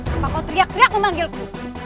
kenapa kau teriak teriak memanggilku